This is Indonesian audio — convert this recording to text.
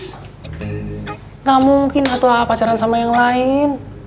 enggak mungkin satu a'a pacaran sama yang lain